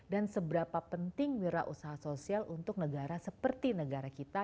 dan seberapa penting wirausaha sosial untuk negara seperti negara kita